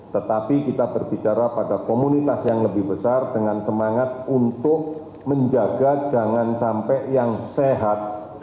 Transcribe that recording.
tetapi kita berbicara pada komunitas yang lebih besar dengan semangat untuk menjaga jangan sampai yang sehat